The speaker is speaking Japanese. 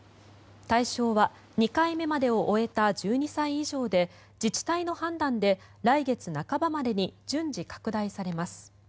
対象は２回目までを終えた１２歳以上で自治体の判断で来月半ばまでに順次拡大されます。